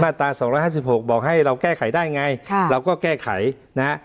มาตราสองร้านห้าสิบหกบอกให้เราแก้ไขได้ไงค่ะเราก็แก้ไขนะฮะ